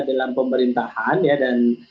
dalam pemerintahan dan